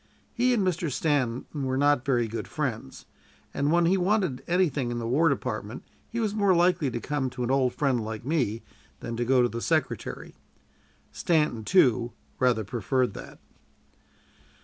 He and Mr. Stanton were not very good friends, and when he wanted anything in the War Department he was more likely to come to an old friend like me than to go to the Secretary. Stanton, too, rather preferred that.